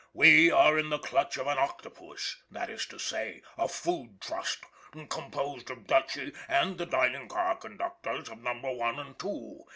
We are in the clutch of an octopusthat is to say, a food trust, composed of Dutchy and the dining car conductors of Numbers One and Two.